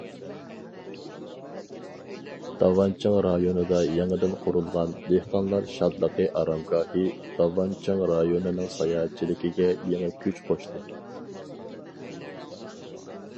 داۋانچىڭ رايونىدا يېڭىدىن قۇرۇلغان‹‹ دېھقانلار شادلىقى ئارامگاھى›› داۋانچىڭ رايونىنىڭ ساياھەتچىلىكىگە يېڭى كۈچ قوشتى.